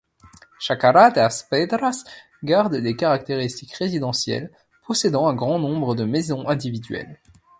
Chácara das Pedras garde des caractéristiques résidentielles, possédant un grand nombre de maisons individuelles.